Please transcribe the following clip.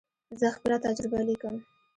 زه خپله تجربه لیکم.